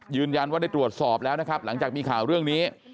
ยืนยันว่าได้ตรวจสอบแล้วนะครับหลังจากมีข่าวเรื่องนี้